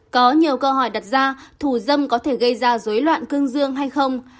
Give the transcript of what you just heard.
có nhiều câu hỏi đặt ra thù dâm có thể gây ra dối loạn cương dương hay không